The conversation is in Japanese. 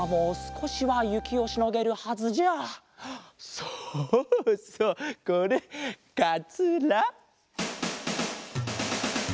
そうそうこれかつら！